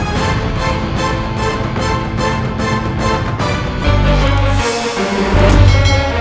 darah suci itu milikku